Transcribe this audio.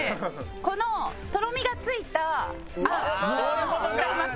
このとろみがついた餡わかります？